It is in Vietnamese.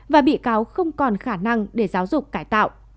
và bị cáo không còn khả năng để giáo dục cải tạo